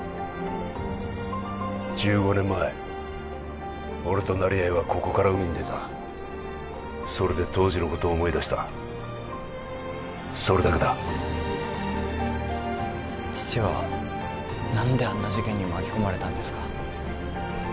１５年前俺と成合はここから海に出たそれで当時のことを思い出したそれだけだ父は何であんな事件に巻き込まれたんですか？